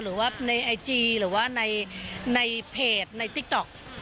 หรือว่าในไอจีหรือว่าในเพจในติ๊กต๊อก